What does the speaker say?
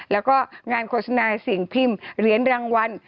แล้วก็งานโฆษณาสิ่งพิมพ์เหรียญรางวัล